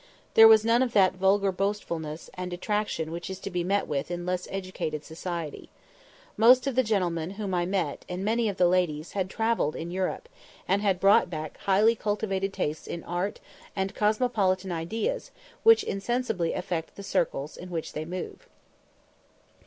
There was none of that vulgar boastfulness and detraction which is to be met with in less educated society. Most of the gentlemen whom I met, and many of the ladies, had travelled in Europe, and had brought back highly cultivated tastes in art, and cosmopolitan ideas, which insensibly affect the circles in which they move.